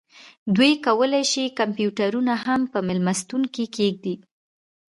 دوی کولی شي کمپیوټرونه هم په میلمستون کې کیږدي